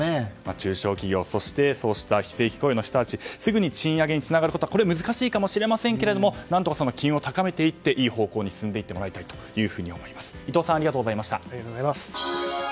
中小企業そして非正規雇用の人たちすぐに賃上げにつながることは難しいかもしれませんが何とか、その機運を高めていっていい方向に進んでいってもらいたいと思います。